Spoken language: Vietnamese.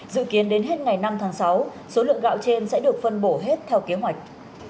dự kiến đến hết ngày năm tháng sáu số lượng gạo trên sẽ được phân bổ hết theo kế hoạch